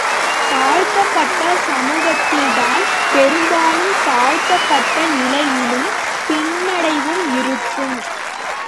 தாழ்த்தப்பட்ட சமூகத்தில்தான் பெரும்பாலும் தாழ்த்தப்பட்ட நிலையும் பின்னடைவும் இருக்கும்.